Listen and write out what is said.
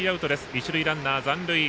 一塁ランナー残塁。